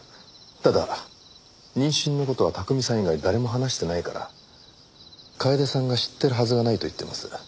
ただ妊娠の事は巧さん以外誰にも話してないから楓さんが知ってるはずがないと言ってます。